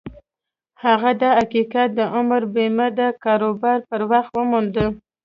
هغه دا حقيقت د عمري بيمې د کاروبار پر وخت وموند.